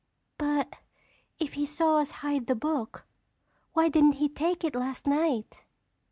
"But if he saw us hide the book, why didn't he take it last night?"